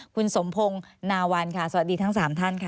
คุณสมพงศ์นาวันค่ะสวัสดีทั้ง๓ท่านค่ะ